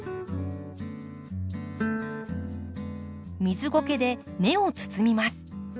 水ごけで根を包みます。